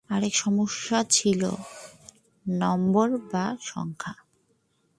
আরেক সমস্যা ছিল নাম্বার বা সংখ্যা।